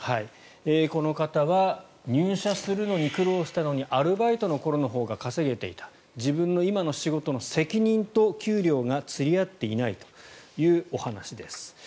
この方は入社するのに苦労したのにアルバイトの頃のほうが稼げていた自分の今の仕事の責任と給料が釣り合っていないというお話です。